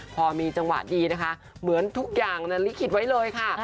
พอมีจังหวะดีนะคะเหมือนทุกอย่างนาลิขิตไว้เลยค่ะ